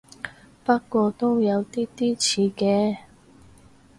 不過都有啲啲似嘅